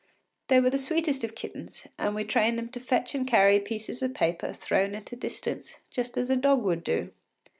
They were the sweetest of kittens, and we trained them to fetch and carry pieces of paper thrown at a distance just as a dog would do.